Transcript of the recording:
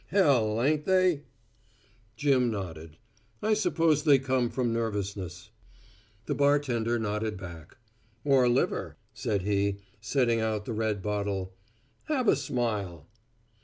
Hell, ain't they?" Jim nodded. "I suppose they come from nervousness." The bartender nodded back. "Or liver," said he, setting out the red bottle. "Have a smile."